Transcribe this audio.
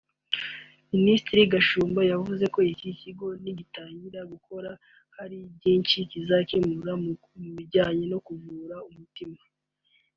Minisitiri Gashumba yavuze ko icyo kigo nigitangira gukora hari byinshi kizakemura mu bijyanye no kuvura umutima